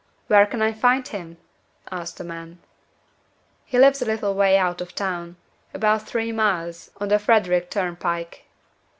"Where can I find him?" asked the man. "He lives a little way out of town; about three miles on the Fredrick turnpike."